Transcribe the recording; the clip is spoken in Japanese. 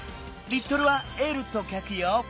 リットルは「Ｌ」とかくよ。